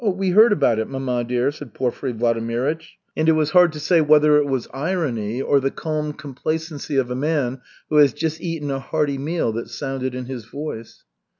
"We heard about it, mamma dear," said Porfiry Vladimirych; and it was hard to say whether it was irony or the calm complacency of a man who has just eaten a hearty meal that sounded in his voice.